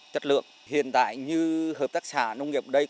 chất lượng hiện tại như hợp tác xã nông nghiệp ở đây